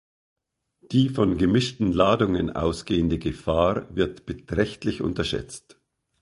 Die von gemischten Ladungen ausgehende Gefahr wird beträchtlich unterschätzt.